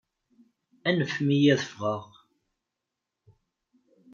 Anfem-iyi ad ffɣeɣ!